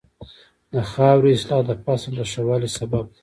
د خاورې اصلاح د فصل د ښه والي سبب ده.